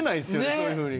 そういうふうに。